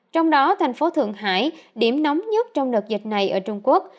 trong đó thành phố thượng hải điểm nóng nhất trong đợt dịch này ở trung quốc